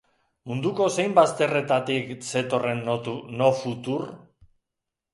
Munduko zein bazterretatik zetorren Nofutur?